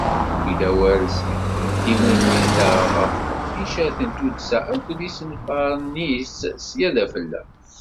Newwi-d awal deg tdiwennit-a ɣef leqdicat n tuddsa akked yisenfaren-is sya d afella.